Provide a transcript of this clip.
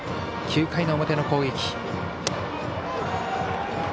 ９回の表の攻撃。